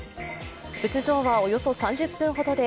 仏像はおよそ３０分ほどで